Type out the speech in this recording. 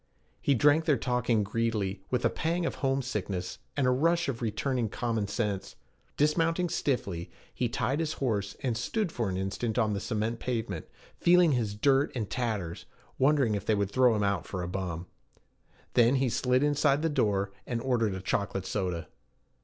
He drank their talk in greedily, with a pang of homesickness and a rush of returning common sense. Dismounting stiffly, he tied his horse, and stood for an instant on the cement pavement, feeling his dirt and tatters, wondering if they would throw him out for a bum. Then he slid inside the door, and ordered a chocolate soda.